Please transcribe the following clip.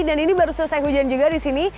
dan ini baru selesai hujan juga disini